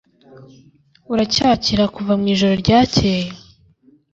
Uracyakira kuva mwijoro ryakeye?